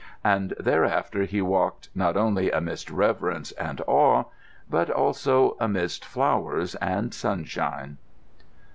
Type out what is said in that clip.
And thereafter he walked, not only amidst reverence and awe, but also amidst flowers and sunshine.